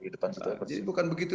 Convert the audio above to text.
jadi bukan begitu